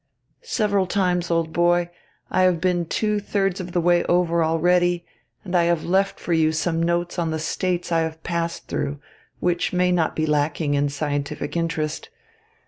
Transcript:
Several times, old boy, I have been two thirds of the way over already, and I have left for you some notes on the states I have passed through, which may not be lacking in scientific interest.